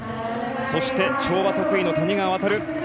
そして、跳馬得意の谷川航。